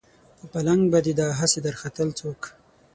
په پالنګ به دې دا هسې درختل څوک